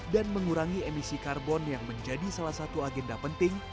dan mengurangi emisi karbon yang menjadi salah satu agenda penting